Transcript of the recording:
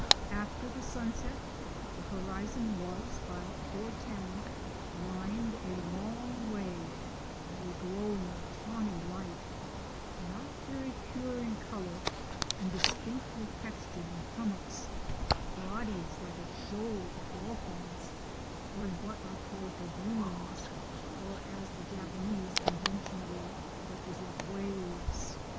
After the sunset the horizon was, by 4.10, lined a long way by a glowing tawny light, not very pure in colour and distinctly textured in hummocks, bodies like a shoal of dolphins, or in what are called gadroons, or as the Japanese conventionally represent waves.